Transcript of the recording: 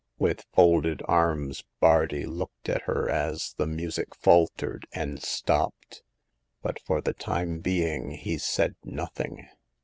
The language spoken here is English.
With folded arms Bardi looked at her as the music faltered and stopped ; but for the time being he said nothing.